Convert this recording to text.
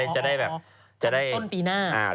อ๋อจะได้แบบต้นปีหน้า